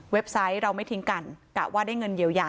เว็บไซต์แล้วไม่ทิ้ง